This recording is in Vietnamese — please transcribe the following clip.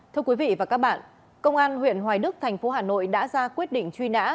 thưa quý vị và các bạn công an huyện hoài đức thành phố hà nội đã ra quyết định truy nã